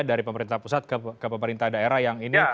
dari pemerintah pusat ke pemerintah daerah yang ini